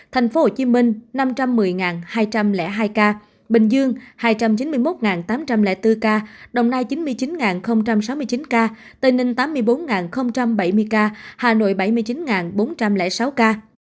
tp hcm năm trăm một mươi hai trăm linh hai ca bình dương hai trăm chín mươi một tám trăm linh bốn ca đồng nai chín mươi chín sáu mươi chín ca tây ninh tám mươi bốn bảy mươi ca hà nội bảy mươi chín bốn trăm linh sáu ca